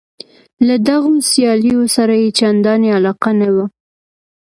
له دغو سیالیو سره یې چندانې علاقه نه وه.